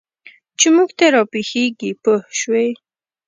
چې موږ ته را پېښېږي پوه شوې!.